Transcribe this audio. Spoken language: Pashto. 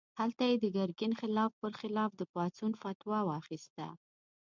هلته یې د ګرګین خان پر خلاف د پاڅون فتوا واخیسته.